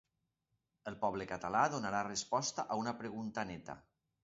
El poble català donarà resposta a una pregunta neta.